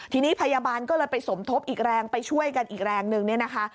ทีนี้พยาบาลก็เลยไปสมทบอีกแรงไปช่วยกันอีกแรงนึงเนี่ยนะคะ